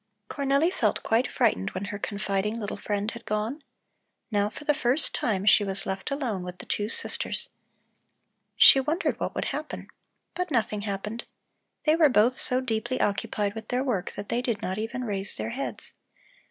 Cornelli felt quite frightened when her confiding little friend had gone. Now for the first time she was left alone with the two sisters. She wondered what would happen. But nothing happened. They were both so deeply occupied with their work that they did not even raise their heads.